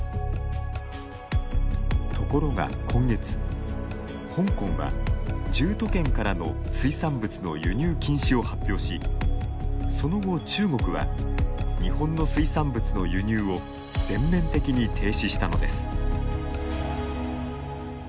ところが今月香港は１０都県からの水産物の輸入禁止を発表しその後、中国は日本の水産物の輸入を全面的に停止したのです。